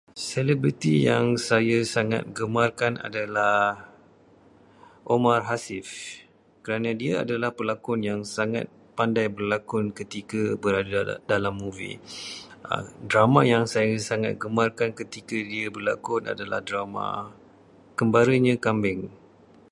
Selebriti yang saya sangat gemarkan adalah Omar Hafif, kerana dia adalah pelakon yang sangat pandai berlakon ketika berada di dalam movie. Drama yang saya sangat gemarkan ketika dia berlakon adalah drama Kembaranya Kambing.